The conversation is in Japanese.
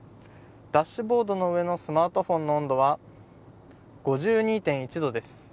ダッシュボードの上のスマートフォンの温度は５２．１度です。